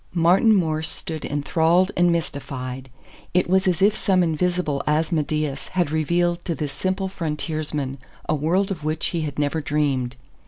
Martin Morse stood enthralled and mystified. It was as if some invisible Asmodeus had revealed to this simple frontiersman a world of which he had never dreamed.